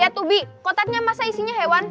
ya tobi kotaknya masa isinya hewan bukan kue